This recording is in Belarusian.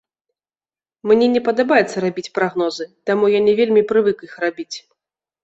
Мне не падабаецца рабіць прагнозы, таму я не вельмі прывык іх рабіць.